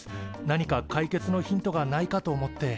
なにか解決のヒントがないかと思って。